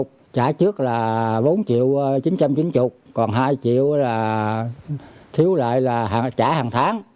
trả trước là bốn triệu chín trăm chín mươi còn hai triệu là thiếu lại là trả hàng tháng